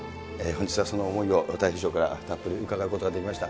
本日はその思いをたい平師匠からたっぷり伺うことができました。